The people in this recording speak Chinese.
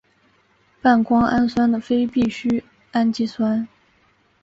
半胱氨酸的非必需氨基酸。